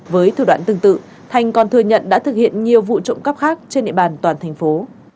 với thủ đoạn tương tự thành còn thừa nhận đã thực hiện nhiều vụ trộm cắp khác trên địa bàn toàn thành phố